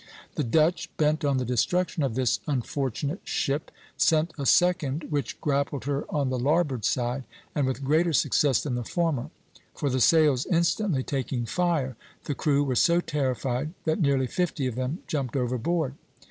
The Dutch, bent on the destruction of this unfortunate ship, sent a second which grappled her on the larboard side, and with greater success than the former; for the sails instantly taking fire, the crew were so terrified that nearly fifty of them jumped overboard.